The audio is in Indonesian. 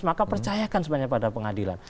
maka percayakan sebenarnya pada pengadilan